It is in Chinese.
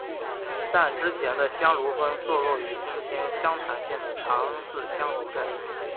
但之前的香炉峰坐落于今天湘潭县的茶恩寺香炉寨。